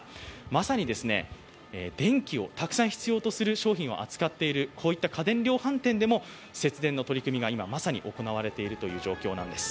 まさに電気をたくさん必要とする商品を扱っている家電量販店でも節電の取り組みが今、まさに行われている状況なんです。